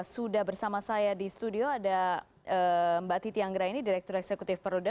sudah bersama saya di studio ada mbak titi anggra ini direktur eksekutif perluda